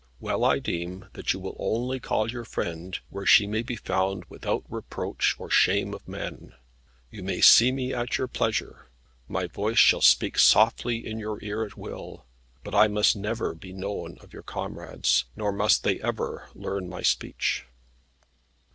Well I deem that you will only call your friend where she may be found without reproach or shame of men. You may see me at your pleasure; my voice shall speak softly in your ear at will; but I must never be known of your comrades, nor must they ever learn my speech."